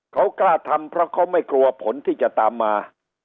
เขากล้าทำเพราะเขาไม่กลัวผลที่จะตามมา